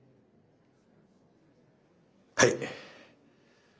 はい。